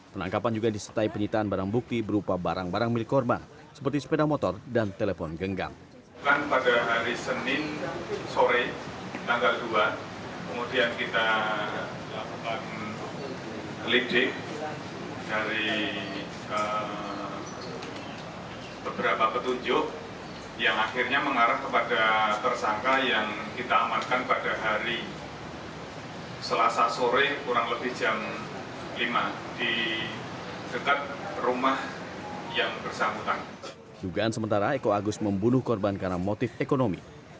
penangkapan juga disertai penyitaan barang bukti berupa barang barang milik hormat seperti sepeda motor dan telepon genggam